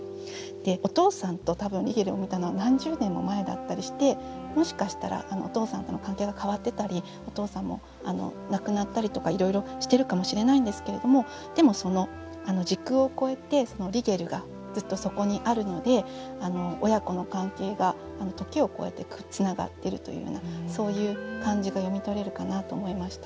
お父さんと多分リゲルを見たのは何十年も前だったりしてもしかしたらお父さんとの関係が変わってたりお父さんも亡くなったりとかいろいろしてるかもしれないんですけれどもでも時空を超えてリゲルがずっとそこにあるので親子の関係が時を超えてつながってるというようなそういう感じが読み取れるかなと思いました。